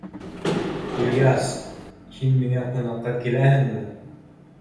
— Ильяс, һин миңә ҡунаҡҡа киләһеңме?